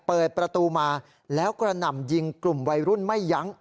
เปิดประตูมาแล้วกระหน่ำยิงกลุ่มวัยรุ่นไม่ยั้ง